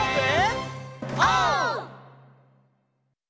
オー！